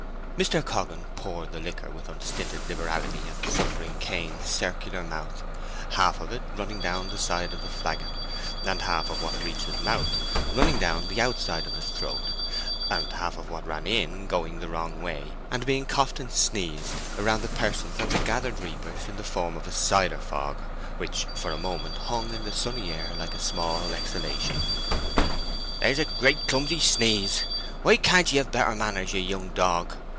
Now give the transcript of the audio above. Mr. Coggan poured the liquor with unstinted liberality at the suffering Cain's circular mouth; half of it running down the side of the flagon, and half of what reached his mouth running down outside his throat, and half of what ran in going the wrong way, and being coughed and sneezed around the persons of the gathered reapers in the form of a cider fog, which for a moment hung in the sunny air like a small exhalation. "There's a great clumsy sneeze! Why can't ye have better manners, you young dog!"